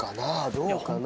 どうかな？